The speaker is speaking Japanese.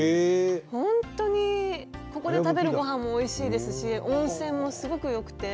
本当にここで食べるごはんもおいしいですし温泉もすごく良くて。